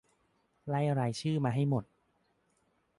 ไล่รายชื่อมาให้หมด